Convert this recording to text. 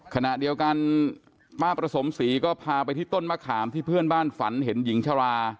ขณะเดียวกันป้าประสมศรีก็พาไปที่ต้นมะขามที่เพื่อนบ้านฝันเห็นหญิงชรา